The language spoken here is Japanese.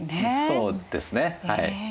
そうですねはい。